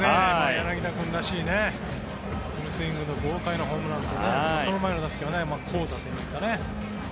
柳田君らしいフルスイングの豪快なホームランでその前の打席は好打といいますか。